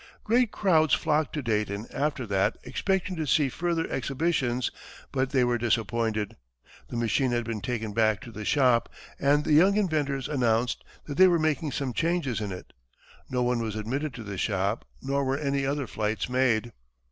Great crowds flocked to Dayton, after that, expecting to see further exhibitions, but they were disappointed. The machine had been taken back to the shop, and the young inventors announced that they were making some changes in it. No one was admitted to the shop, nor were any other flights made.